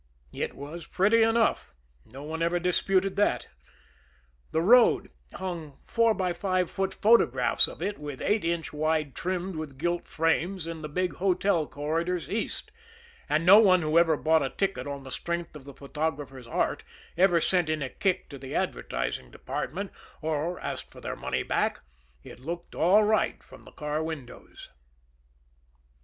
It was pretty enough, no one ever disputed that! The road hung four by five foot photographs of it with eight inch wide trimmed with gilt frames in the big hotel corridors East, and no one who ever bought a ticket on the strength of the photographer's art ever sent in a kick to the advertising department, or asked for their money back it looked all right from the car windows.